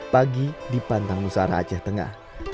pagi di pantang nusara aceh tengah